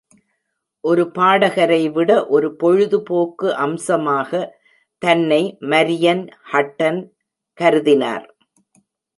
ஒரு பாடகரை விட ஒரு பொழுதுபோக்கு அம்சமாக தன்னை மரியன் ஹட்டன் கருதினார்.